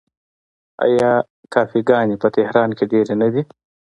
آیا کافې ګانې په تهران کې ډیرې نه دي؟